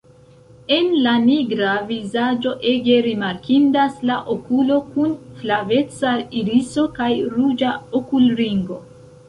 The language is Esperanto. En la nigra vizaĝo ege rimarkindas la okulo kun flaveca iriso kaj ruĝa okulringo.